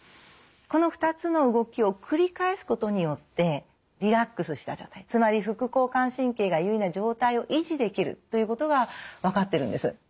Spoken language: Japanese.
この２つの動きをくり返すことによってリラックスした状態つまり副交感神経が優位な状態を維持できるということが分かってるんです。